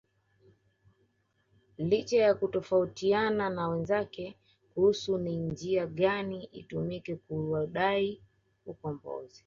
Licha ya kutofautiana na wenzake kuhusu ni njia gani itumike kuudai ukombozi